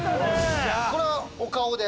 これはお顔で？